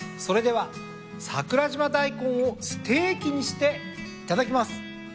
それでは桜島大根をステーキにしていただきます。